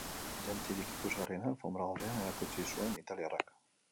Jantzirik ikusgarriena alfonbra gorrian erakutsi zuen italiarrak.